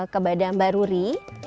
kepada mbak ruri